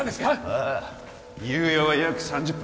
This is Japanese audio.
ああ猶予は約３０分